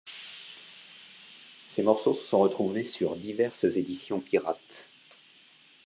Ces morceaux se sont retrouvés sur diverses éditions pirates.